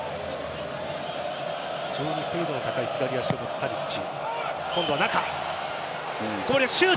非常に精度の高い左足を持つタディッチ。